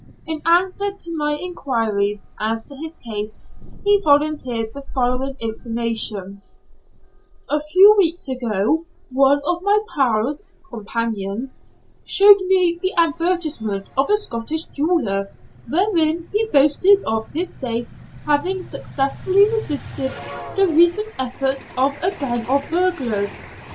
In answer to my enquiries as to his case, he volunteered the following information: "A few weeks ago, one of my 'pals' (companions) showed me the advertisement of a Scottish jeweller, wherein he boasted of his safe having successfully resisted the recent efforts of a gang of burglars.